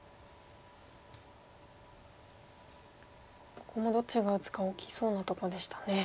ここもどっちが打つか大きそうなとこでしたね。